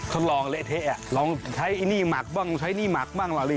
ทดลองเละเทะลองใช้ไอ้หนี้หมักบ้างใช้หนี้หมักบ้างหรอลิ